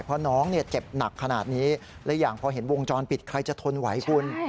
เพราะน้องเจ็บหนักขนาดนี้และอย่างพอเห็นวงจรปิดใครจะทนไหวคุณ